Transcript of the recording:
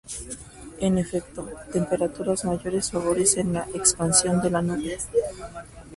En efecto, temperaturas mayores favorecen la expansión de la nube.